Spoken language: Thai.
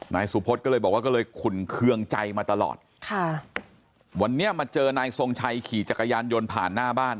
นายสุพธก็เลยบอกว่าก็เลยขุนเคืองใจมาตลอดค่ะวันนี้มาเจอนายทรงชัยขี่จักรยานยนต์ผ่านหน้าบ้าน